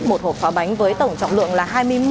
một hộp pháo bánh với tổng trọng lượng là